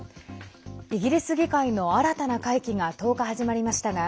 イギリス議会の新たな会期が１０日、始まりましたが